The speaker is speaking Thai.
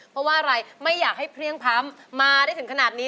เพราะว่าอะไรไม่อยากให้เพลี่ยงพร้ำมาได้ถึงขนาดนี้